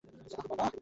আহ, বাবা?